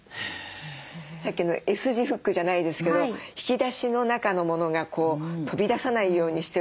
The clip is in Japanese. さっきのＳ字フックじゃないですけど引き出しの中のものが飛び出さないようにしておくと片づけも楽ですか？